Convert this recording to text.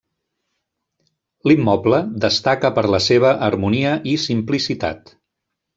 L'immoble destaca per la seva harmonia i simplicitat.